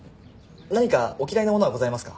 何かお嫌いなものはございますか？